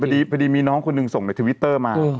พอดีมีน้องคนหนึ่งส่งในทวิตเตอร์มา